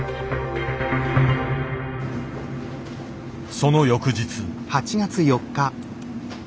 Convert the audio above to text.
その翌日。